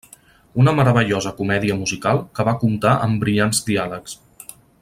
Una meravellosa comèdia musical que va comptar amb brillants diàlegs.